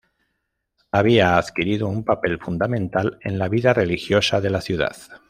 Había adquirido un papel fundamental en la vida religiosa de la ciudad.